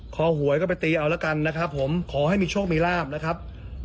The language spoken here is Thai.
หวยก็ไปตีเอาแล้วกันนะครับผมขอให้มีโชคมีลาบนะครับ